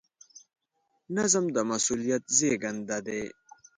نظم د مسؤلیت زېږنده دی.